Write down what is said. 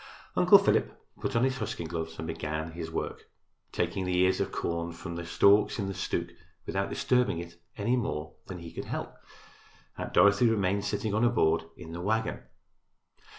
Uncle Philip put on his husking gloves and began his work, taking the ears of corn from the stalks in the stook without disturbing it any more than he could help. Aunt Dorothy remained sitting on her board in the wagon.